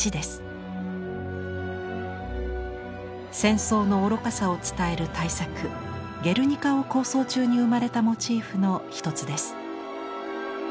戦争の愚かさを伝える大作「ゲルニカ」を構想中に生まれたモチーフの一つです。